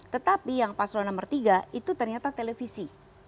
tetapi yang paslon nomor tiga itu ternyata televisi